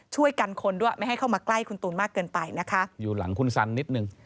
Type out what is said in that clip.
ช่วยกันคนด้วยไม่ให้เข้ามาใกล้คุณตูนมากเกินไปนะคะอยู่หลังคุณสันนิดนึง